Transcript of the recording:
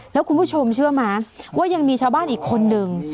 แล้วคุณผู้ชมเชื่อไหมว่ายังมีชาวบ้านอีกคนนึง